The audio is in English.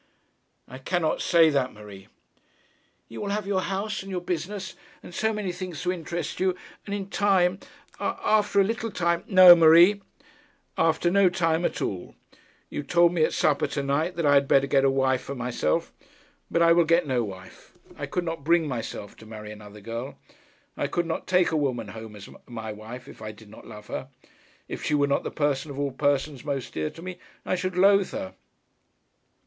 'I cannot say that, Marie.' 'You will have your house, and your business, and so many things to interest you. And in time, after a little time ' 'No, Marie, after no time at all. You told me at supper to night that I had better get a wife for myself. But I will get no wife. I could not bring myself to marry another girl, I could not take a woman home as my wife if I did not love her. If she were not the person of all persons most dear to me, I should loathe her.'